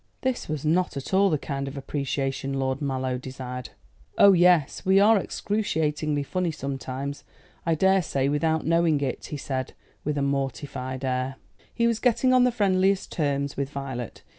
This was not at all the kind of appreciation Lord Mallow desired. "Oh, yes; we are excruciatingly funny sometimes, I daresay, without knowing it," he said, with a mortified air. He was getting on the friendliest terms with Violet.